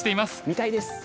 見たいです！